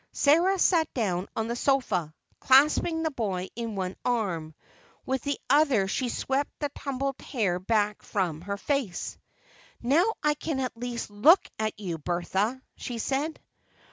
Sarah sat down on the sofa, clasping the boy in one arm; with the other she swept the tumbled hair back from her face. "Now I can at least look at you, Bertha," she said.